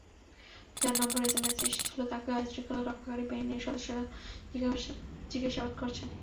যাঁর নম্বরে এসএমএস এসেছিল, তাঁকেও আইনশৃঙ্খলা রক্ষাকারী বাহিনীর সদস্যরা জিজ্ঞাসাবাদ করেছেন।